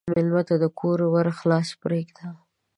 مېلمه ته د کور ور خلاص پرېږده.